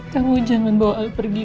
kamu jangan bawa pergi